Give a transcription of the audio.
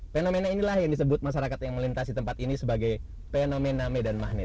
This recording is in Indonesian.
fenomena inilah yang disebut masyarakat yang melintasi tempat ini sebagai fenomena medan magnet